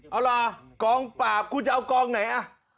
เอาล่ะกองปากกูจะเอากองไหน